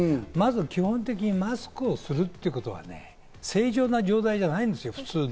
基本的にマスクをするということが正常な状態ではないんです。